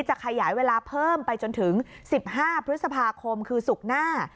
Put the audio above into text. จะขยายเวลาเพิ่มไปจนถึง๑๕พฤษภาคมคือศุกร์หน้า